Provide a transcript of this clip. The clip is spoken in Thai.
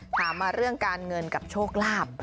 ถามมาเรื่องการเงินกับโชคลาภ